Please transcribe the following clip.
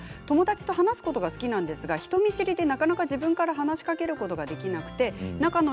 友達と話すことが好きなんですが人見知りでなかなか自分から話すことができません。